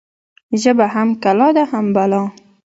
ژبه هم کلا ده هم بلا.